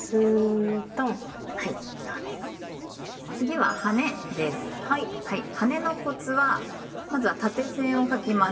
はねのコツはまずは縦線を書きます。